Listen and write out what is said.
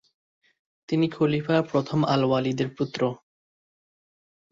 তিনি খলিফা প্রথম আল-ওয়ালিদের পুত্র।